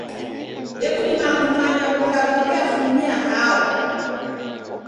Ndokudima kumanya w'uda ghwaw'iafumia hao.